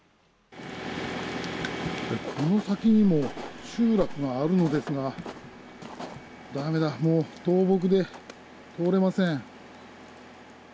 この先にも集落があるのですがだめだ、もう倒木で通れません。